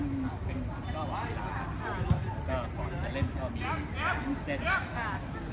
มคุณถ่ายทันใช่ไหมตอนที่ยิงประตูน่่าสุดเนี่ย